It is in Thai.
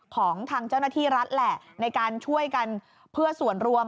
ของทางเจ้าหน้าที่รัฐแหละในการช่วยกันเพื่อส่วนรวม